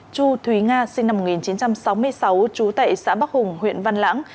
chu thúy nga sinh năm một nghìn chín trăm sáu mươi sáu trú tại xã bắc hùng huyện văn lãng